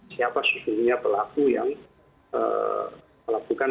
siapa sebetulnya pelaku yang melakukan